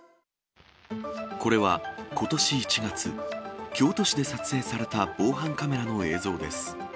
これは、ことし１月、京都市で撮影された防犯カメラの映像です。